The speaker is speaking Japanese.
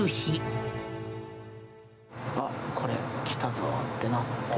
あっ、これ来たぞってなって。